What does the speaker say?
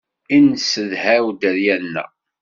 I nesedhaw dderya-nneɣ.